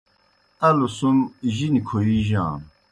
الوْ سْم جِنیْ کھویِیجانوْ۔